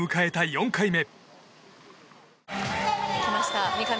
４回目。